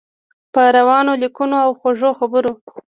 په روانو لیکنو او خوږو خبرو.